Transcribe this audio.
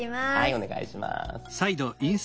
お願いします。